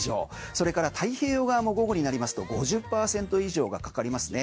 それから太平洋側も午後になりますと５０％以上がかかりますね。